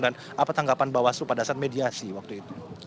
dan apa tanggapan bawah selu pada saat mediasi waktu itu